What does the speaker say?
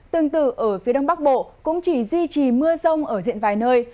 tương tự ở phía đông bắc bộ cũng chỉ duy trì mưa rông ở diện vài nơi